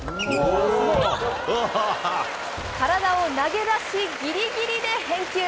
体を投げ出し、ぎりぎりで返球。